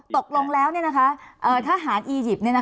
ตกลงแล้วทหารอียิปต์